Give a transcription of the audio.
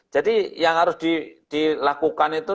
jadi yang harus dilakukan itu